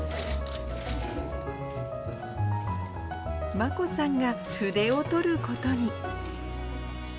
眞子さんが筆を執ることに。